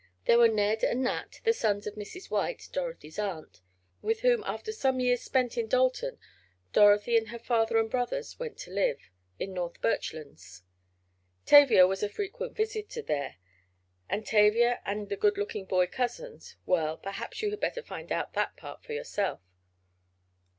There were Ned and Nat, the sons of Mrs. White, Dorothy's aunt, with whom, after some years spent in Dalton, Dorothy and her father and brothers went to live, in North Birchlands. Tavia was a frequent visitor there, and Tavia and the good looking boy cousins—well, perhaps you had better find out that part for yourself.